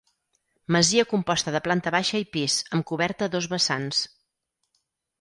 Masia composta de planta baixa i pis, amb coberta a dos vessants.